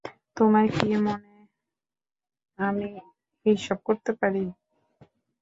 তোমার কি মনে আমি এসব করতে পারি?